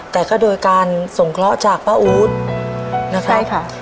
แต่ก็โดยการสงเคราะห์จากป้าอู๊ดนะครับใช่ค่ะ